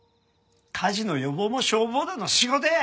火事の予防も消防団の仕事や！